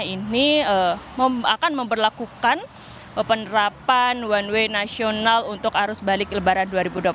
ini akan memperlakukan penerapan one way nasional untuk arus balik lebaran dua ribu dua puluh